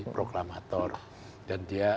proklamator dan dia